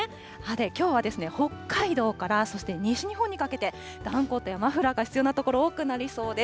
きょうは北海道からそして西日本にかけて、ダウンコートやマフラーが必要な所、多くなりそうです。